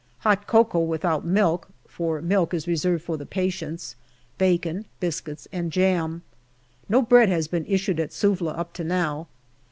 Hot cocoa, without milk, for milk is reserved for the patients ; bacon, biscuits, and jam. No bread has been issued at Suvla up to now.